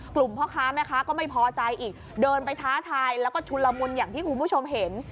พ่อค้าแม่ค้าก็ไม่พอใจอีกเดินไปท้าทายแล้วก็ชุนละมุนอย่างที่คุณผู้ชมเห็น